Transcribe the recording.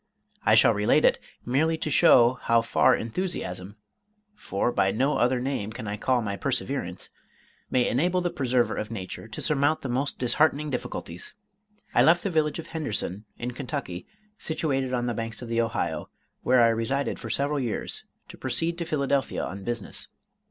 I shall relate it, merely to show how far enthusiasm for by no other name can I call my perseverance may enable the preserver of nature to surmount the most disheartening difficulties. I left the village of Henderson, in Kentucky, situated on the banks of the Ohio, where I resided for several years, to proceed to Philadelphia on business.